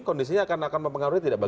kondisinya akan mempengaruhi tidak pak